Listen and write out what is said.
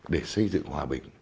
để xây dựng hòa bình